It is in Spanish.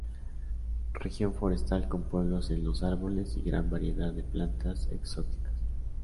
Región forestal con pueblos en los árboles y gran variedad de plantas exóticas.